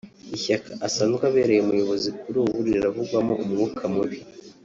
ishyaka asanzwe abereye umuyobozi kuri ubu riravugwamo umwuka mubi